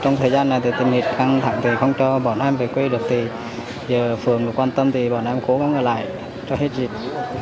trong thời gian này thì tình nghịt căng thẳng thì không cho bọn em về quê được thì giờ phường quan tâm thì bọn em cố gắng ở lại cho hết dịp